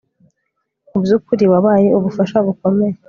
Mubyukuri wabaye ubufasha bukomeye